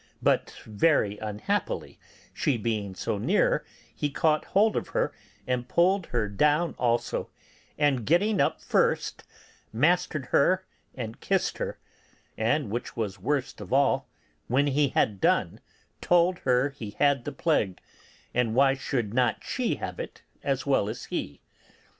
But very unhappily, she being so near, he caught hold of her and pulled her down also, and getting up first, mastered her and kissed her; and which was worst of all, when he had done, told her he had the plague, and why should not she have it as well as he?